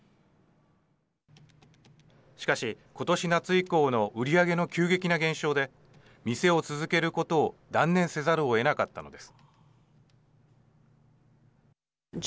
しかし、今年夏以降の売り上げの急激な減少で店を続けることを断念せざるをえなかったのです。